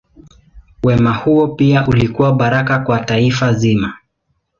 Wema huo pia ulikuwa baraka kwa taifa zima.